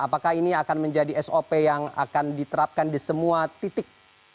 apakah ini akan menjadi sop yang akan diterapkan di semua titik